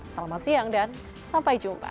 selamat siang dan sampai jumpa